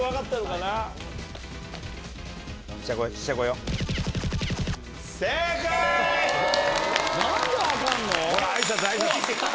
なんで分かんの？